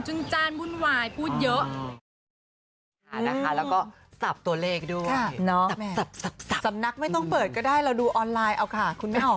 จึงจ้านบุ่นวายพูดเยอะ